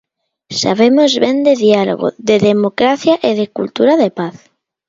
Sabemos ben de diálogo, de democracia e de cultura de paz.